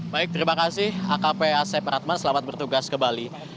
baik terima kasih akp asep ratman selamat bertugas kembali